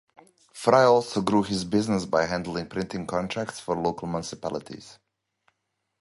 Fry also grew his business by handling printing contracts for local municipalities.